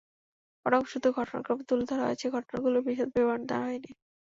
বরং, শুধু ঘটনাক্রম তুলে ধরা হয়েছে, ঘটনাগুলোর বিশদ বিবরণ দেওয়া হয়নি।